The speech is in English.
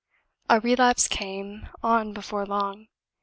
A relapse came on before long.